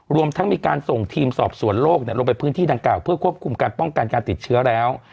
รวมทั้งมีการส่งทีมสอบสวนโลกลงไปพื้นที่ดังกล่าวเพื่อควบคุมการป้องกันการติดเชื้อแล้ว